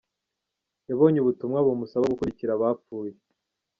Yabonye ubutumwa bumusaba gukurikira abapfuye